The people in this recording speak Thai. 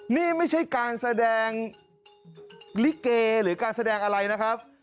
นี่ไม่ใช่การแสดงลิเกหรือการแสดงอะไรนะครับ